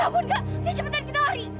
ya ampun kak ya cepetan kita lari